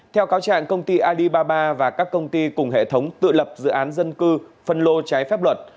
theo cáo trạng công ty alibaba và các công ty cùng hệ thống tự lập dự án dân cư phân lô trái phép luật